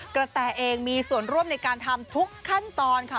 แตเองมีส่วนร่วมในการทำทุกขั้นตอนค่ะ